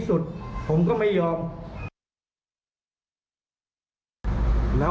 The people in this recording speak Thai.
มั่นใจค่ะ